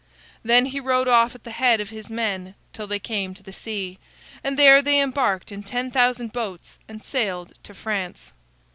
Then he rode off at the head of his men till they came to the sea, and there they embarked in ten thousand boats and sailed to France.